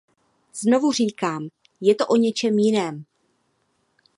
Znovu říkám, je to o něčem jiném.